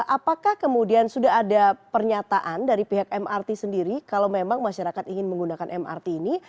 apakah kemudian sudah ada pernyataan dari pihak mrt sendiri kalau memang masyarakat ingin menggunakan mrt ini